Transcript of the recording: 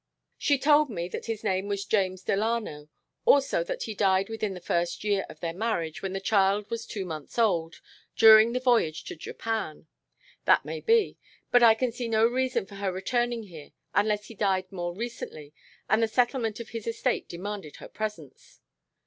"She told me that his name was James Delano. Also that he died within the first year of their marriage, when the child was two months old, during the voyage to Japan. That may be, but I can see no reason for her returning here unless he died more recently and the settlement of his estate demanded her presence."